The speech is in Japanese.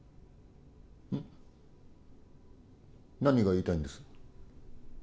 何が言いたいんです？